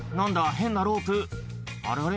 変なロープあれあれ？